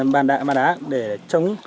bàn đá để chống